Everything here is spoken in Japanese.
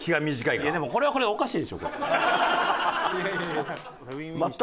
いやでもこれはこれでおかしいでしょこれ。